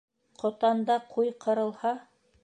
Ҡотанда ҡуй ҡырылһа